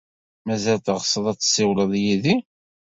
Mazal teɣseḍ ad tessiwleḍ yid-i?